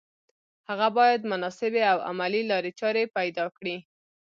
هغه بايد مناسبې او عملي لارې چارې پيدا کړي.